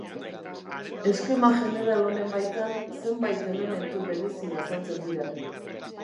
Eskema jeneral honen baitan zenbait elementu berezi azaltzen dira.